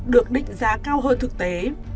được định giá cao hơn thực tế